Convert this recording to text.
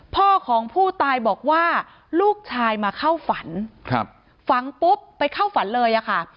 พ่อของผู้ตายบอกว่าลูกชายมาเข้าฝันครับฝังปุ๊บไปเข้าฝันเลยอะค่ะ